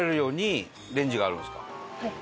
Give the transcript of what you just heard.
はい。